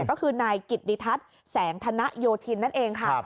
ก็คือนายกิตดิทัศน์แสงธนโยธินนั่นเองค่ะ